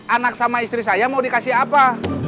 anak sama istri saya mau dikasih apa